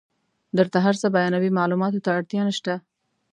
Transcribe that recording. درته هر څه بیانوي معلوماتو ته اړتیا نشته.